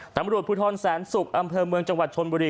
ตำรวจภูทรแสนศุกร์อำเภอเมืองจังหวัดชนบุรี